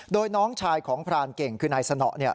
โดยน้องชายของพรานเก่งคือนายสนอเนี่ย